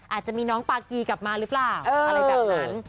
อาจจะมีน้องปากีกลับมาหรือเปล่าอะไรแบบนั้น